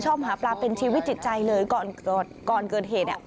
ชอบหาปลาเป็นชีวิตจิตใจเลยก่อนเกิดเหตุเนี้ย